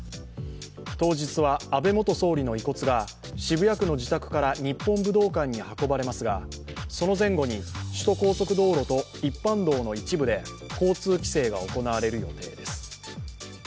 当日は安倍元総理の遺骨が渋谷区の自宅から日本武道館に運ばれますがその前後に、首都高速道路と一般道の一部で交通規制が行われる予定です。